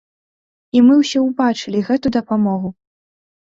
І мы ўсе ўбачылі гэту дапамогу.